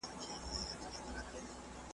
نه له چا سره د مړي د غله غم وو